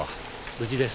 無事です。